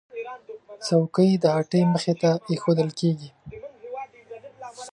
چوکۍ د هټۍ مخې ته ایښودل کېږي.